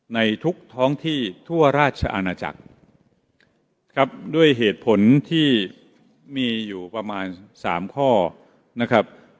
ในทุกท้องที่ทั่วราชอาณาจักรครับด้วยเหตุผลที่มีอยู่ประมาณสามข้อนะครับ